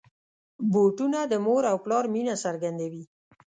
بوټونه د مور او پلار مینه څرګندوي.